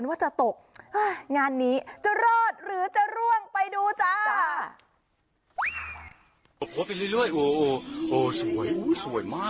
ว่าจะตกงานนี้จะรอดหรือจะร่วงไปดูจ้า